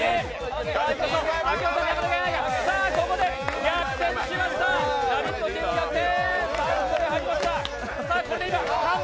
ここで逆転しました「ラヴィット！」チーム逆転。